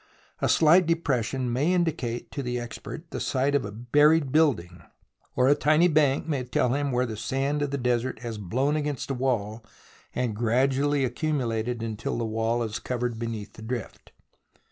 A slight depression may indicate to the expert the site of a buried building, a tiny bank may tell him where the sand of the desert has blown against a wall and gradually accumulated until the wall is covered beneath the drift.